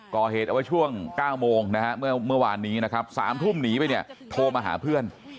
ก่อเหตุเอาไว้ช่วง๙โมงนะฮะเมื่อวานนี้นะครับ๓ทุ่มหนีไปเนี่ยโทรมาหาเพื่อน